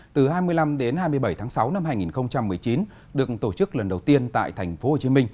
từ hai mươi năm đến hai mươi bảy tháng sáu năm hai nghìn một mươi chín được tổ chức lần đầu tiên tại tp hcm